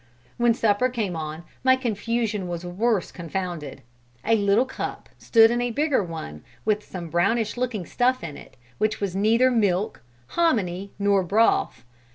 When supper came on, my confusion was worse confounded: A little cup stood in a bigger one with some brownish looking stuff in it, which was neither milk, hominy, nor broth.